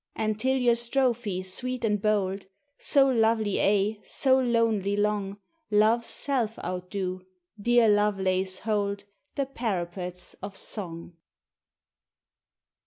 And till your strophe sweet and bold So lovely aye, so lonely long, Love's self outdo, dear Lovelace! hold The parapets of song.